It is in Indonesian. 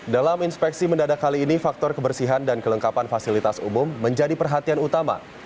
dalam inspeksi mendadak kali ini faktor kebersihan dan kelengkapan fasilitas umum menjadi perhatian utama